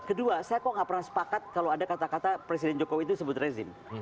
kedua saya kok nggak pernah sepakat kalau ada kata kata presiden jokowi itu sebut rezim